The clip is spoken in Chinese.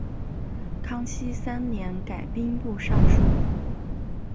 康熙三年改兵部尚书。